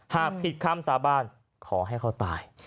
หากผิดคำสาบานขอให้เขาตาย